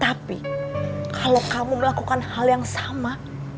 tapi kalau kamu melakukan hal yang sama